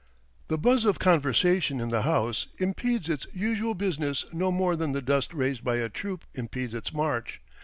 The buzz of conversation in the House impedes its usual business no more than the dust raised by a troop impedes its march.